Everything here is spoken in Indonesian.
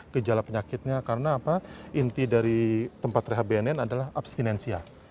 kejala penyakitnya karena inti dari tempat rehab bnn adalah abstinensia